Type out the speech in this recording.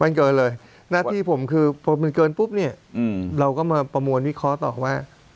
มันเกินเลยหน้าที่ผมคือพอมันเกินปุ๊บเนี่ยเราก็มาประมวลวิเคราะห์ต่อว่า